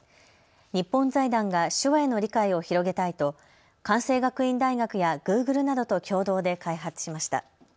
日本財団が手話への理解を広げたいと関西学院大学やグーグルなどと共同で開発しました。